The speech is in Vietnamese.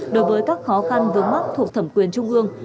đối với các khó khăn vướng mắt thuộc thẩm quyền trung ương